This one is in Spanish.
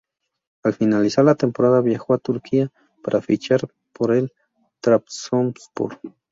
Al finalizar la temporada viajó a Turquía para fichar por el Trabzonspor.